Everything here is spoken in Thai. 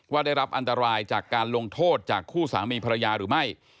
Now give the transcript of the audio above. ได้รับอันตรายจากการลงโทษจากคู่สามีภรรยาหรือไม่